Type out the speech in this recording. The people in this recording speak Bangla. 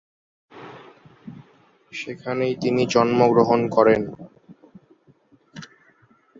সেখানেই তিনি জন্মগ্রহণ করেন।